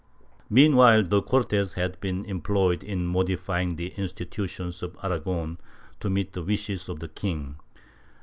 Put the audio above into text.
Meanwhile the Cortes had been employed in modifying the institutions of Aragon to meet the wishes of the king.